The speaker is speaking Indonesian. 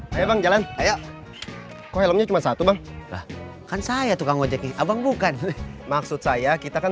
memang jalan jalan cuma satu kan saya tuh abang bukan maksud saya kita kan